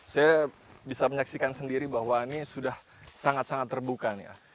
saya bisa menyaksikan sendiri bahwa ini sudah sangat sangat terbuka nih